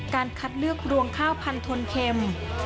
การคัดเลือกรวงข้าวพันธนเข็ม